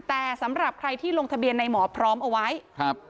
แต่สำหรับใครที่ลงทะเบียนในหมอพร้อมเอาไว้ครับ